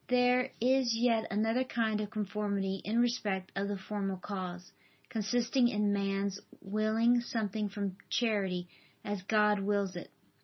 There is yet another kind of conformity in respect of the formal cause, consisting in man's willing something from charity, as God wills it.